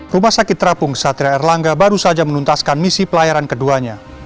rumah sakit terapung satria erlangga baru saja menuntaskan misi pelayaran keduanya